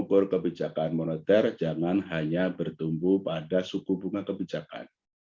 agar kebijakan moneter jangan hanya bertumbuh pada suku bunga kebijakan